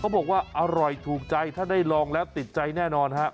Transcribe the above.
บอกว่าอร่อยถูกใจถ้าได้ลองแล้วติดใจแน่นอนฮะ